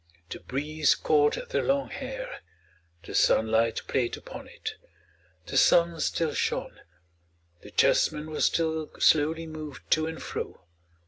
The breeze caught their long hair, the sunlight played upon it.... The sun still shone.... The chessmen were still slowly moved to and fro....